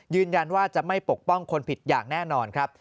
ยืนยันว่าจะไม่ปกป้องคนผิดอย่างแน่นอนครับ